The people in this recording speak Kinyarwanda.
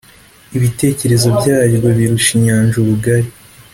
ibitekerezo byaryo birusha inyanja ubugari,